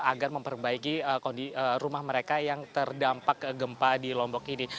agar memperbaiki rumah mereka yang terdampak gempa di lombok ini